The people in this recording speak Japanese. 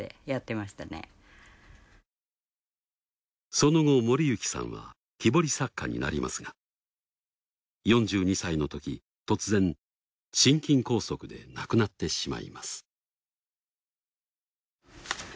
その後守幸さんは木彫り作家になりますが４２歳のとき突然心筋梗塞で亡くなってしまいます。